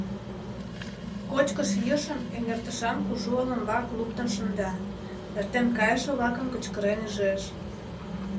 Кочкыш-йӱышым эҥертышан кужу олымбак луктын шында, эртен кайыше-влакым кычкырен ӱжеш: